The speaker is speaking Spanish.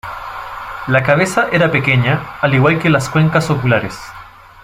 La cabeza era pequeña, al igual que las cuencas oculares.